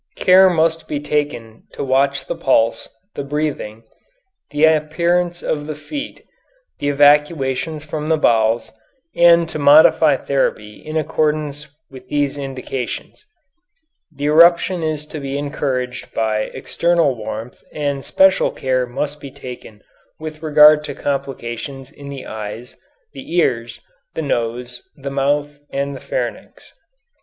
Care must be taken to watch the pulse, the breathing, the appearance of the feet, the evacuations from the bowels, and to modify therapy in accordance with these indications. The eruption is to be encouraged by external warmth and special care must be taken with regard to complications in the eyes, the ears, the nose, the mouth, and the pharynx.